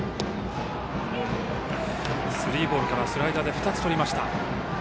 スリーボールからスライダーで２つとりました。